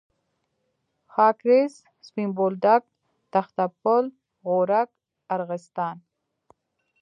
خاکریز، سپین بولدک، تخته پل، غورک، ارغستان.